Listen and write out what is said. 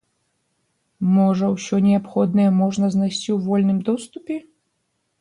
Можа, усё неабходнае можна знайсці ў вольным доступе?